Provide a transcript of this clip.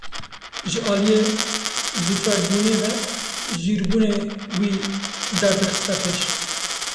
Ji aliyê zûfêrbûnê ve jîrbûnê wî derdixiste pêş.